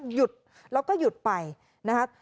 หยุดแล้วก็หยุดไปนะครับ